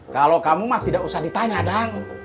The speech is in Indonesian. kalau kamu mak tidak usah ditanya dang